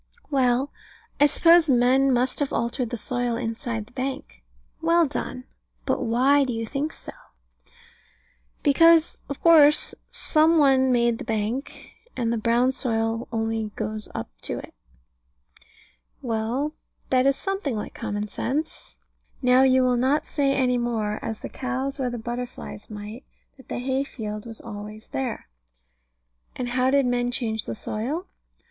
Well, I suppose men must have altered the soil inside the bank. Well done. But why do you think so? Because, of course, some one made the bank; and the brown soil only goes up to it. Well, that is something like common sense. Now you will not say any more, as the cows or the butterflies might, that the hay field was always there. And how did men change the soil?